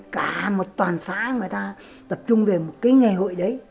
cả một toàn xã người ta tập trung về một cái nghề hội đấy